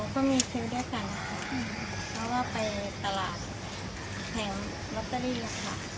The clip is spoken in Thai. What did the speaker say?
อ๋อก็มีซื้อได้กันค่ะเพราะว่าไปตลาดแผงล็อตเตอรี่เลยค่ะ